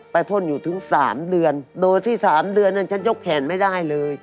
พ่นอยู่ถึง๓เดือนโดยที่๓เดือนนั้นฉันยกแขนไม่ได้เลย